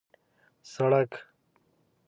سړک